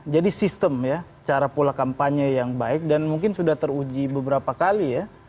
jadi sistem ya cara pola kampanye yang baik dan mungkin sudah teruji beberapa kali ya